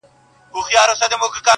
تسلیت لره مي راسی لږ یې غم را سره یوسی,